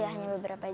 hanya beberapa jam